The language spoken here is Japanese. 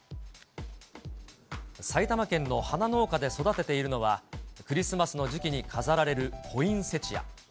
埼玉県の花農家で育てているのは、クリスマスの時期に飾られるポインセチア。